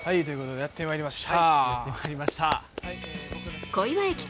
お、やってまいりました。